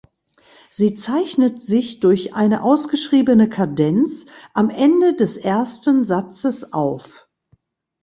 Sie zeichnet sich durch eine ausgeschriebene Kadenz am Ende des ersten Satzes auf.